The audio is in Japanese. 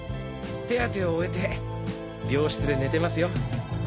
手当てを終えて病室で寝てますよ。